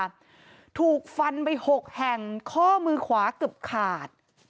ถูกฟันไปหกแห่งข้อมือขวาเกือบขาด